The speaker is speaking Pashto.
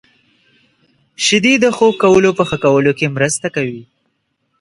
• شیدې د خوب کولو په ښه کولو کې مرسته کوي.